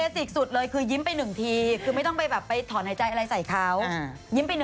แต่ไม่เป็นไรไม่น้อยใจนะ